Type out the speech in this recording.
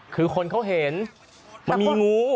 คือคนเขาเห็นมันมีงู